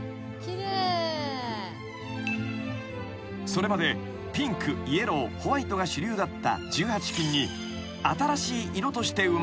［それまでピンクイエローホワイトが主流だった１８金に新しい色として生まれた］